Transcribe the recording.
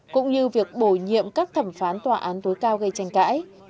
cũng như việc bổ nhiệm các thẩm phán tòa án tối cao gây tranh cãi